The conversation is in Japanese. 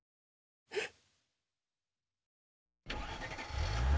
えっ？